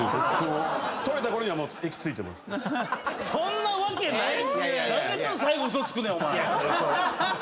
そんなわけない！